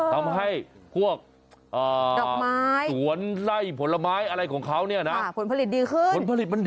ทำให้พวกดอกไม้สวนไล่ผลไม้อะไรของเขาเนี่ยนะผลผลิตดีขึ้น